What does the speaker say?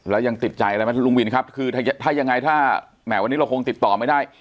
แล้วยังติดใจอะไรไหมคุณลุงวินครับคือถ้ายังไงถ้าแหมวันนี้เราคงติดต่อไม่ได้